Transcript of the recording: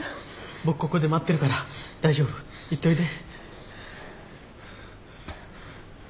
僕ここで待ってるから大丈夫行っといで。